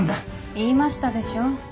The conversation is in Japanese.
言いましたでしょ？